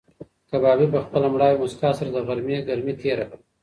کبابي په خپله مړاوې موسکا سره د غرمې ګرمي تېره کړه.